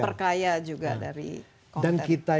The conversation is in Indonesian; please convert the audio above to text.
memperkaya juga dari konten